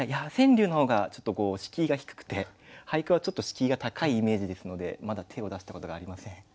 川柳の方がちょっと敷居が低くて俳句はちょっと敷居が高いイメージですのでまだ手を出したことがありません。